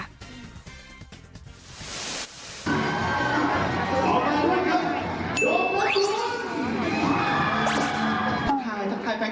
ด่วงกลับเข้าคุณครับ